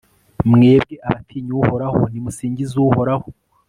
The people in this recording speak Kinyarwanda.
mwebwe abatinya uhoraho, nimusingize uhoraho